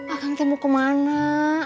akang temu kemana